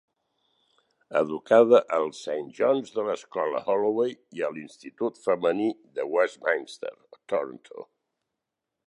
Educada al Saint John's de la Escola Holloway i a l'Institut Femení de Westminster, Toronto.